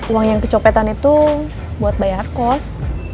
uang yang kecopetan itu buat bayar kos